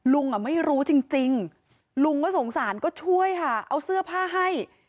ลุงอ่ะไม่รู้จริงลุงก็สงสารก็ช่วยค่ะเอาเสื้อผ้าให้